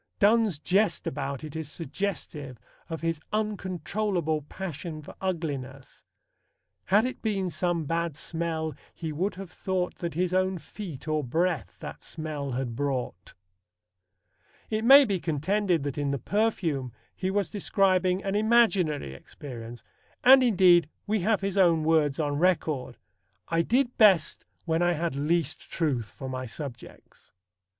Donne's jest about it is suggestive of his uncontrollable passion for ugliness: Had it been some bad smell, he would have thought That his own feet, or breath, that smell had brought. It may be contended that in The Perfume he was describing an imaginary experience, and indeed we have his own words on record: "I did best when I had least truth for my subjects."